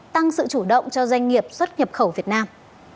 tăng sự chủ động cho doanh nghiệp xuất nhập khẩu việt nam